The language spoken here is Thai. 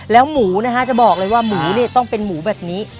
แล้วหมูนะฮะจะบอกเลยว่าหมูเนี่ยต้องเป็นหมูแบบนี้